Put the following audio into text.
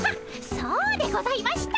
そうでございました。